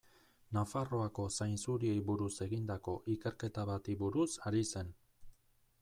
Nafarroako zainzuriei buruz egindako ikerketa bati buruz ari zen.